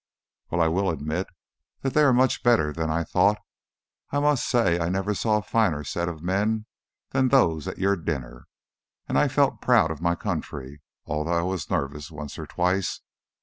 "Well, I will admit that they are much better than I thought. I must say I never saw a finer set of men than those at your dinner, and I felt proud of my country, although I was nervous once or twice.